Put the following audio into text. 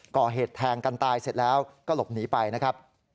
ก่อเหตุแทงกันตายเสร็จแล้วก็หลบหนีไปนะครับ